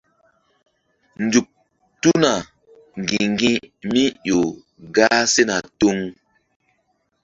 Nzuk tuna ŋgi̧ŋgi̧mí ƴo gah sena tuŋ.